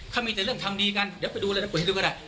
เขามีแต่เรื่องทำดีกันเดี๋ยวไปดูเลยนะเปิดให้ดูก็ได้